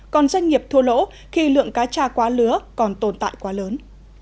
còn doanh nghiệp thua lỗ khi lượng cá tra quá lứa còn tồn tại quá lớn